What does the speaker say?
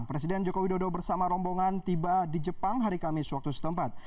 presiden joko widodo bersama rombongan tiba di jepang hari kamis waktu setempat